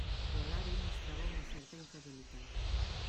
Però l'avi mostrava una certa incredulitat.